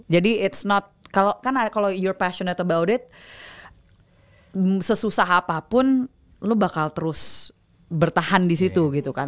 jadi it s not kan kalau you re passionate about it sesusah apapun lo bakal terus bertahan disitu gitu kan